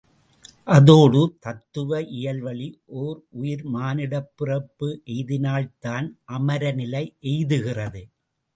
அதோடு தத்துவ இயல்வழி ஒரு உயிர் மானுடப் பிறப்பு எய்தினால்தான் அமரநிலை எய்துகிறது.